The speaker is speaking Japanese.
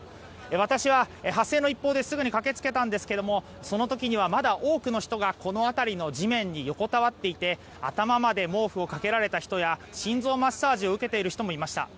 私は発生の一報ですぐに駆け付けたんですがその時には、まだ多くの人がこの辺りの地面に横たわっていて頭まで毛布を掛けられた人や心臓マッサージを受けている人もいました。